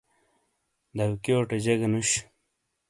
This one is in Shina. داویکیو ٹےجیگہ نوش۔